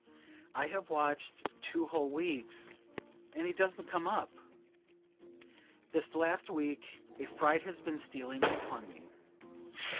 I have watched two whole weeks, and he doesn't come up! This last week a fright has been stealing upon me.